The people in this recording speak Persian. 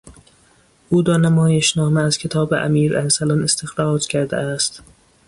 او دو نمایشنامه از کتاب امیر ارسلان استخراج کرده است.